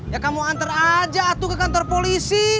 ya kamu antar aja aku ke kantor polisi